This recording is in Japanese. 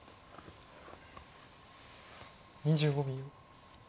２５秒。